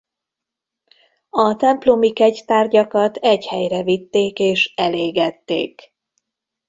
A templomi kegytárgyakat egy helyre vitték és elégették.